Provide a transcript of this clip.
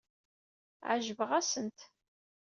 Ɛejbeɣ-asent.